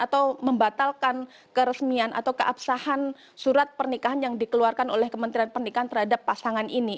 atau membatalkan keresmian atau keabsahan surat pernikahan yang dikeluarkan oleh kementerian pernikahan terhadap pasangan ini